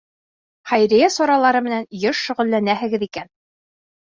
— Хәйриә саралары менән йыш шөғөлләнәһегеҙ икән.